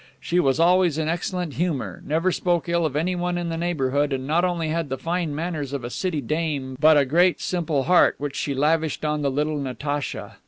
She was always in excellent humor, never spoke ill of anyone in the neighborhood, and not only had the fine manners of a city dame but a great, simple heart, which she lavished on the little Natacha.